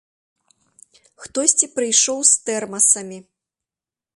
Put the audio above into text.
Хтосьці прыйшоў з тэрмасамі.